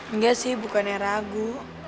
enggak sih bukannya ragu